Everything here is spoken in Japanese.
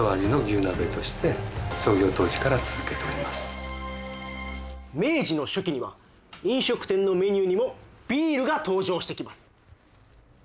このお店はなんと明治の初期には飲食店のメニューにもビールが登場してきます。